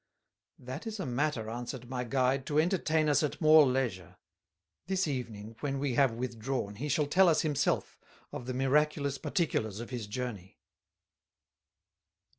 "That is a matter," answered my guide, "to entertain us at more leisure; this evening when we have withdrawn he shall tell us himself of the miraculous particulars of his journey."